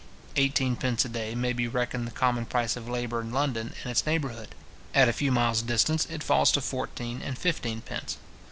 Eighteen pence a day may be reckoned the common price of labour in London and its neighbourhood. At a few miles distance, it falls to fourteen and fifteen pence.